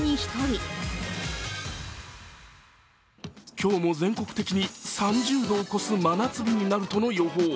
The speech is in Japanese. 今日も全国的に３０度を超す真夏日になるとの予報。